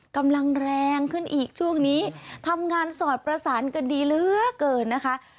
กำลังแรงขึ้นอีกช่วงนี้ทำงานสอดประสานกันดีเหลือเกินนะคะ